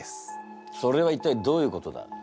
それは一体どういうことだ？